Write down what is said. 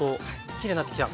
きれいになってきた！